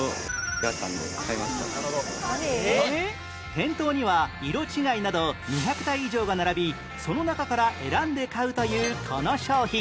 店頭には色違いなど２００体以上が並びその中から選んで買うというこの商品